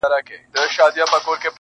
• نه پیسې یې وې په کور کي نه یې مال وو -